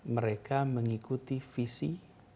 mereka mengikuti visi